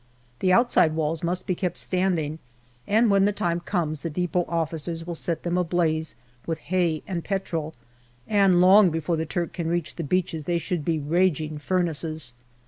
The outside walls must be kept standing, and when the time comes the depot officers will set them ablaze with hay and petrol, and long before the Turk can reach the beaches they should be raging furnaces.